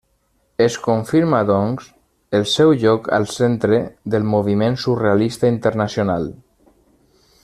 Es confirma, doncs, el seu lloc al centre del moviment surrealista internacional.